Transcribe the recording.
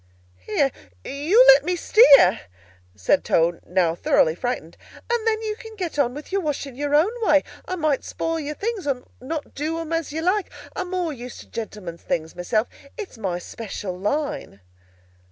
"Here, you let me steer!" said Toad, now thoroughly frightened, "and then you can get on with your washing your own way. I might spoil your things, or not do 'em as you like. I'm more used to gentlemen's things myself. It's my special line."